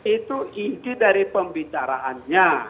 itu ini dari pembicaraannya